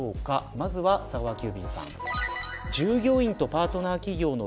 まずは、佐川急便さん。